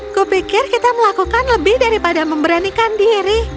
aku pikir kita melakukan lebih daripada memberanikan diri